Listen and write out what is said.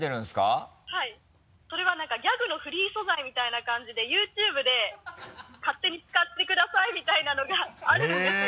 それは何かギャグのフリー素材みたいな感じでＹｏｕＴｕｂｅで勝手に使ってくださいみたいなのがあるんですよ。